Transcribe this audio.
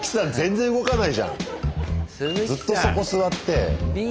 ずっとそこ座って。